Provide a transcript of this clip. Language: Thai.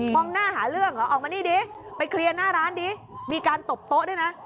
งหน้าหาเรื่องเหรอออกมานี่ดิไปเคลียร์หน้าร้านดิมีการตบโต๊ะด้วยนะ